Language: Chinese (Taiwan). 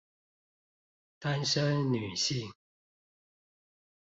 單身女性